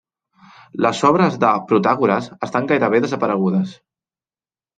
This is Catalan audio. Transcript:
Les obres de Protàgores estan gairebé desaparegudes.